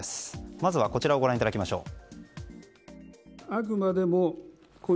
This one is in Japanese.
まずはこちらをご覧いただきましょう。